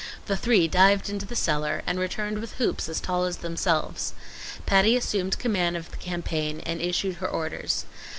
The three dived into the cellar, and returned with hoops as tall as themselves. Patty assumed command of the campaign and issued her orders.